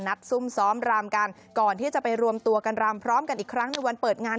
ซุ่มซ้อมรำกันก่อนที่จะไปรวมตัวกันรำพร้อมกันอีกครั้งในวันเปิดงาน